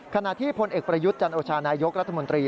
ขณะที่พลเอกประยุทธ์จันโอชานายกรัฐมนตรี